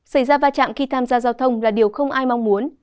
xảy ra va chạm khi tham gia giao thông là điều không ai mong muốn